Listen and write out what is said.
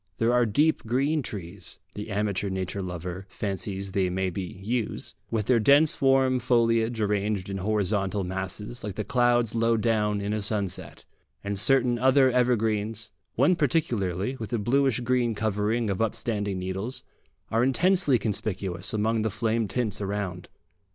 There are deep green trees the amateur nature lover fancies they may be yews with their dense warm foliage arranged in horizontal masses, like the clouds low down in a sunset; and certain other evergreens, one particularly, with a bluish green covering of upstanding needles, are intensely conspicuous among the flame tints around.